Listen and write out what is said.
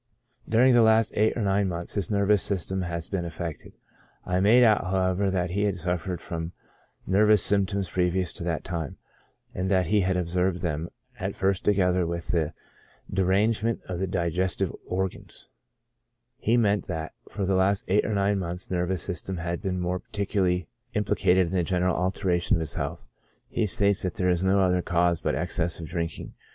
During the last eight or nine months, his nervous system has been affected. I made out, however, that he had suf fered from nervous symptoms previous to that time, and that he had observed them at first together with the de rangement of the digestive organs 5 he meant that for the last eight or nine months the nervous system had been more particularly implicated in the general alteration of his healths He states that there is no other cause but excessive drinking.